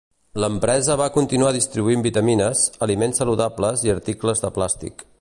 L'empresa va continuar distribuint vitamines, aliments saludables i articles de plàstic.